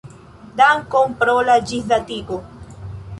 Dankon pro la ĝisdatigo.